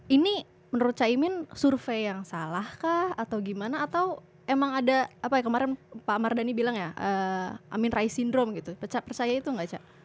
ini menurut cak imin survei yang salah kah atau gimana atau emang ada apa ya kemarin pak amardhani bilang ya amin rai sindrom gitu percaya itu gak cak